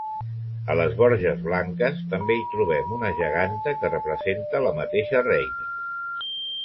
A les Borges Blanques, també hi trobem una geganta que representa la mateixa reina.